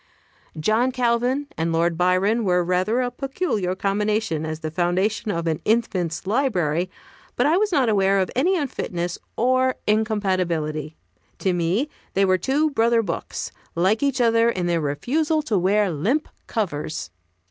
John Calvin and Lord Byron were rather a peculiar combination, as the foundation of an infant's library; but I was not aware of any unfitness or incompatibility. To me they were two brother books, like each other in their refusal to wear limp covers.